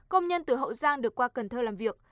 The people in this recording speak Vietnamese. công nhân từ hậu giang được qua cần thơ làm việc